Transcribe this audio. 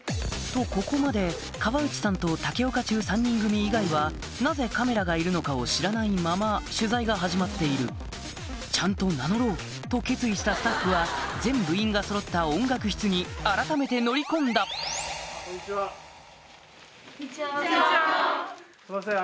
とここまで川内さんと武岡中３人組以外はなぜカメラがいるのかを知らないまま取材が始まっていると決意したスタッフは全部員がそろった音楽室に改めて乗り込んだすいません